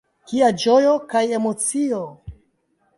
Kia ĝojo kaj emocio!